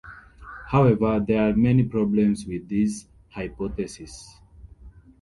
However, there are many problems with this hypothesis.